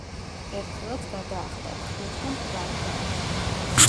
ერთხელაც გადაახტა თხრილს და მკვდარი დაეცა.